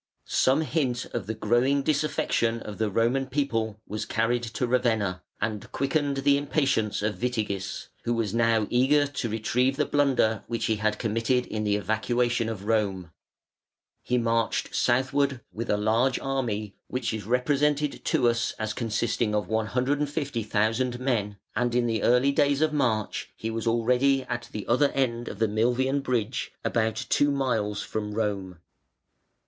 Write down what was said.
Some hint of the growing disaffection of the Roman people was carried to Ravenna and quickened the impatience of Witigis, who was now eager to retrieve the blunder which he had committed in the evacuation of Rome. He marched southward with a large army, which is represented to us as consisting of 150,000 men, and in the early days of March he was already at the other end of the Milvian Bridge, about two miles from Rome.